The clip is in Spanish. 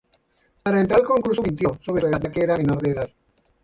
Para entrar al concurso mintió sobre su edad ya que era menor de edad.